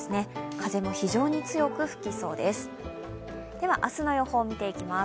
風も非常に強く吹きそうです。